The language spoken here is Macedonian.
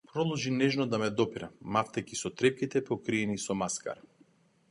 Продолжи нежно да ме допира, мавтајќи со трепките покриени со маскара.